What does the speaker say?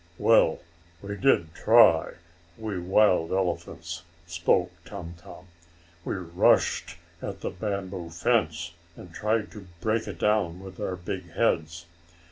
"Well, we did try we wild elephants," spoke Tum Tum. "We rushed at the bamboo fence, and tried to break it down with our big heads.